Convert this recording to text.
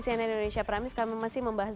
cnn indonesia prime news kami masih membahas